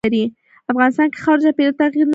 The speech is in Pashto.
افغانستان کې خاوره د چاپېریال د تغیر نښه ده.